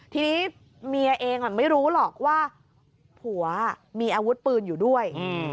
ทีนี้เมียเองไม่รู้หรอกว่าผัวมีอาวุธปืนอยู่ด้วย